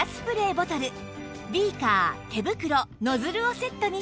ボトルビーカー手袋ノズルをセットにして